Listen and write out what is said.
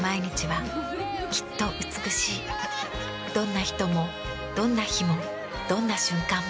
どんな人もどんな日もどんな瞬間も。